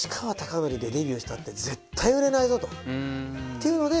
ていうので。